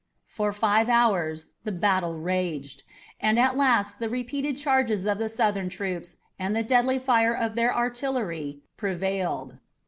For five hours the battle raged, and at last the repeated charges of the Southern troops and the deadly fire of their artillery prevailed.